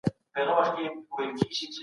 تامین سوی امنیت د پرمختګ لامل کیږي.